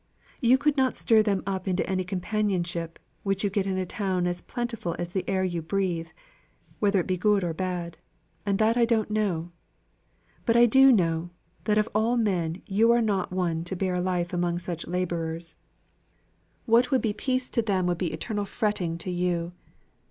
You could not stir them up into any companionship, which you get in a town as plentiful as the air you breathe, whether it be good or bad and that I don't know; but I do know, that you of all men are not one to bear a life among such labourers. What would be peace to them, would be eternal fretting to you.